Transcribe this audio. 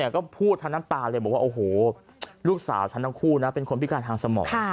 ก็พูดทั้งน้ำตาเลยบอกว่าโอ้โหลูกสาวฉันทั้งคู่นะเป็นคนพิการทางสมอง